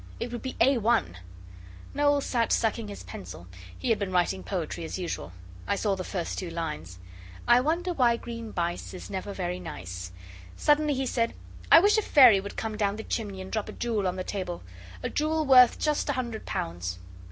It would be A1.' Noel sat sucking his pencil he had been writing poetry as usual. I saw the first two lines I wonder why Green Bice Is never very nice. Suddenly he said, 'I wish a fairy would come down the chimney and drop a jewel on the table a jewel worth just a hundred pounds.